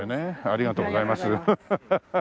ありがとうございます。